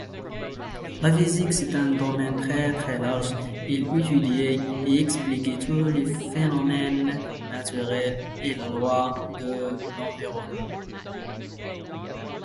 An avid guitar player, he produces videos for the Seymour Duncan company.